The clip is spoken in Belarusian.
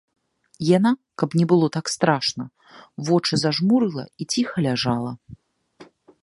Яна, каб не было так страшна, вочы зажмурыла і ціха ляжала.